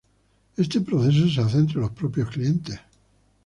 Este proceso se hace entre los propios clientes.